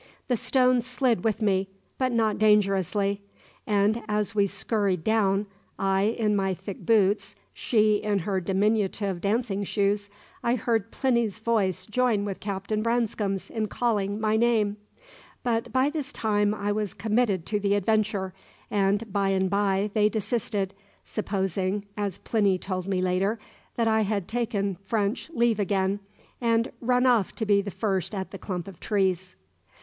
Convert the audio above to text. The stones slid with me, but not dangerously; and as we scurried down I in my thick boots, she in her diminutive dancing shoes I heard Plinny's voice join with Captain Branscome's in calling my name. But by this time I was committed to the adventure, and by and by they desisted, supposing (as Plinny told me later) that I had taken French leave again, and run off to be first at the clump of trees.